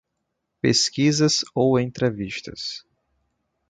Pesquisas ou entrevistas.